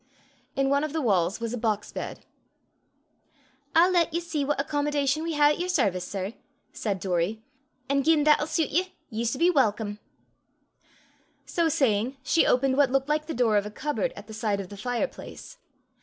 In one of the walls was a box bed. "I'll lat ye see what accommodation we hae at yer service, sir," said Doory, "an' gien that'll shuit ye, ye s' be welcome." So saying, she opened what looked like the door of a cupboard at the side of the fireplace.